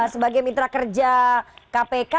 sebagai mitra kerja kpk